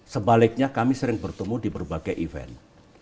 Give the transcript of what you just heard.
sebaliknya kami sering bertemu di berbagai event